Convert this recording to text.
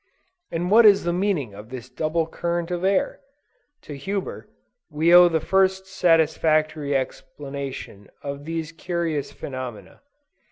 and what is the meaning of this double current of air? To Huber, we owe the first satisfactory explanation of these curious phenomena.